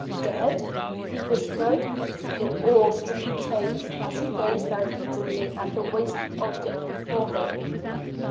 "Dead?" he whispered in awe stricken tones, as he gazed down pityingly at the wasted object before him.